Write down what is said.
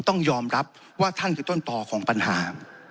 ต้องยอมรับว่าท่านคือต้นต่อของปัญหา